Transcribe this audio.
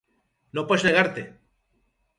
No pots negar-te.